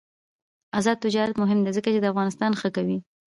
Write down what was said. آزاد تجارت مهم دی ځکه چې افغانستان ښه کوي.